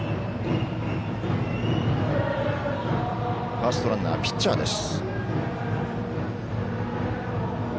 ファーストランナーピッチャーです。